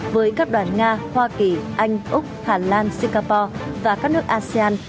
với các đoàn nga hoa kỳ anh úc hà lan singapore và các nước asean